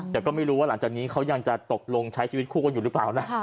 แต่ก็ไม่รู้ว่าหลังจากนี้เขายังจะตกลงใช้ชีวิตคู่กันอยู่หรือเปล่านะ